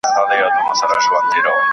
پلار مي مه غوولی، پلار دي غيم دا ښاغلی.